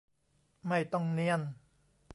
ไม่ต้องเนียน